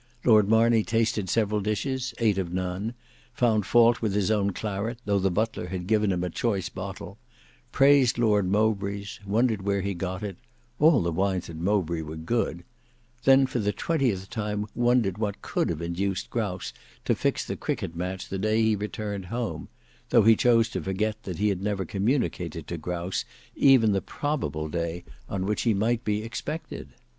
Lord Marney tasted several dishes, ate of none; found fault with his own claret, though the butler had given him a choice bottle; praised Lord Mowbray's, wondered where he got it, "all the wines at Mowbray were good;" then for the twentieth time wondered what could have induced Grouse to fix the cricket match the day he returned home, though he chose to forget that he had never communicated to Grouse even the probable day on which he might be expected.